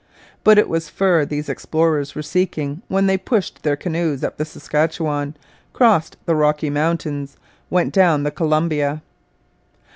But it was fur these explorers were seeking when they pushed their canoes up the Saskatchewan, crossed the Rocky Mountains, went down the Columbia.